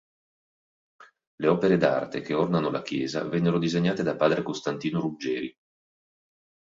Le opere d'arte che ornano la chiesa vennero disegnate da padre Costantino Ruggeri.